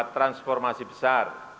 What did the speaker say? yang mendapat transformasi besar